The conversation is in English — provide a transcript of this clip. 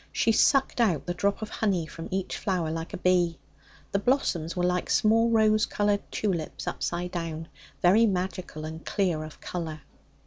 She sucked out the drop of honey from each flower like a bee. The blossoms were like small, rose coloured tulips upside down, very magical and clear of colour.